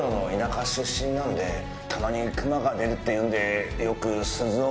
たまにクマが出るっていうんで。